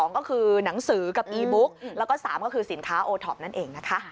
ก็คือหนังสือกับอีบุ๊กแล้วก็๓ก็คือสินค้าโอท็อปนั่นเองนะคะ